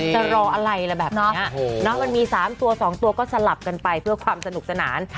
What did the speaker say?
จะรออะไรอะไรแบบนี้มันมี๓ตัว๒ตัวก็สลับกันไปเพื่อความสนุกสนาน